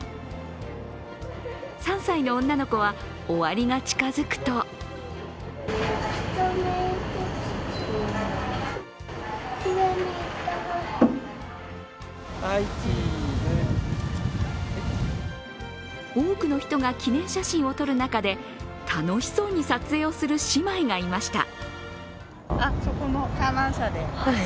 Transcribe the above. ３歳の女の子は、終わりが近づくと多くの人が記念写真を撮る中で、楽しそうに撮影をする姉妹がいました。